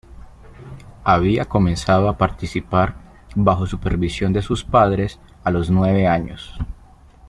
Había comenzado a practicar bajo supervisión de sus padres a los nueve años.